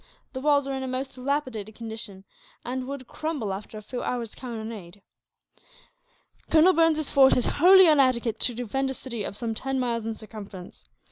The walls are in a most dilapidated condition, and would crumble after a few hours' cannonade. Colonel Burns's force is wholly inadequate to defend a city of some ten miles in circumference.